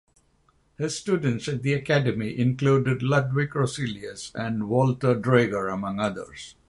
His students at the academy included Ludwig Roselius and Walter Draeger among others.